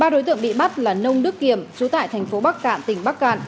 ba đối tượng bị bắt là nông đức kiểm trú tại thành phố bắc cạn tỉnh bắc cạn